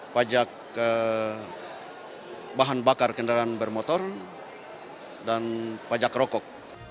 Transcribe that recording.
pajak bahan bakar kendaraan bermotor dan pajak rokok